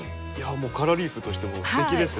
カラーリーフとしてもすてきですね。